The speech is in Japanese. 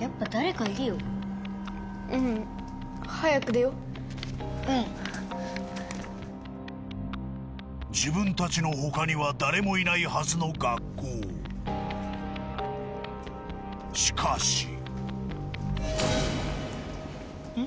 やっぱ誰かいるようん早く出よううん自分たちのほかには誰もいないはずの学校しかしうん？